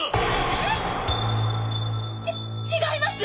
ええっ⁉ち違います！